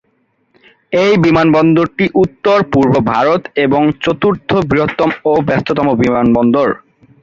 এই বিমানবন্দরটি উত্তর-পূর্ব ভারত-এর চতুর্থ বৃহত্তম ও ব্যস্ততম বিমানবন্দর।